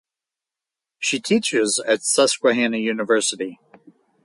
She teaches at Susquehanna University.